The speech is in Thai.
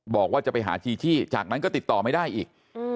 บอกว่าจะไปหาจีชี่จากนั้นก็ติดต่อไม่ได้อีก